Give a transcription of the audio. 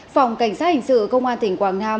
phòng cảnh sát hành sự công an tỉnh quảng ngãi